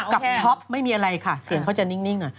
กับท็อปไม่มีอะไรค่ะเสียงเขาจะนิ่ง